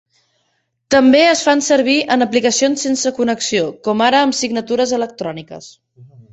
També es fan servir en aplicacions sense connexió, com ara amb signatures electròniques.